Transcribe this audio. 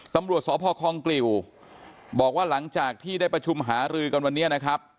ตำรวจสพคองกลิวบอกว่าหลังจากที่ได้ประชุมหารือกันวันนี้นะครับ